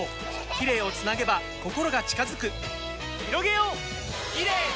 キレイをつなげば心が近づくひろげようキレイの輪！